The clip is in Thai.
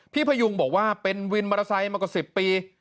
พยุงบอกว่าเป็นวินมอเตอร์ไซค์มากว่า๑๐ปี